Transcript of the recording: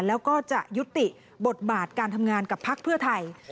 แล้วก็จะยุติบทบาทการทำงานกับพักเพื่อไทย